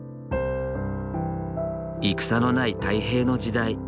戦のない太平の時代。